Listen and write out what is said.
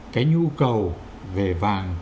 cái nhu cầu về vàng